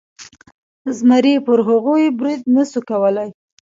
زمري پر هغوی برید نشو کولی.